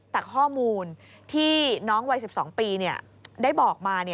แต่ข้อมูลที่น้องวัย๑๒ปีได้บอกมา